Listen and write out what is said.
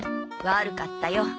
悪かったよ。